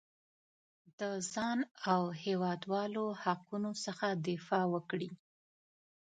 د ځان او هېوادوالو حقونو څخه دفاع وکړي.